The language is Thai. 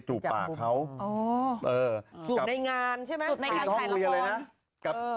จูบในงานใช่ไหมไปอีกห้องเรียอะไรนะ